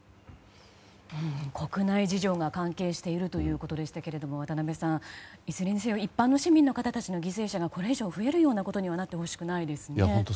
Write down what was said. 国内事情が関係しているということでしたけれども渡辺さん、いずれにせよ一般市民の方たちの犠牲者がこれ以上増えるようなことにはなってほしくないですね。